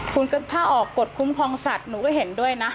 คุณก็ถ้าออกกฎคุ้มครองสัตว์หนูก็เห็นด้วยนะ